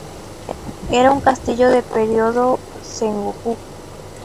Era un castillo del Período Sengoku.